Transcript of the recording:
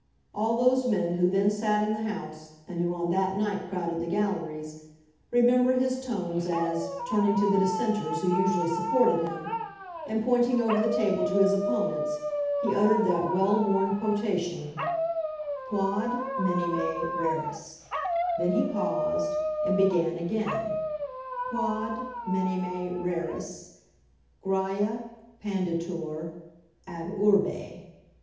All those men who then sat in the House, and who on that night crowded the galleries, remember his tones as, turning to the dissenters who usually supported him, and pointing over the table to his opponents, he uttered that well worn quotation, Quod minime reris, then he paused, and began again; Quod minime reris, Graiâ pandetur ab urbe.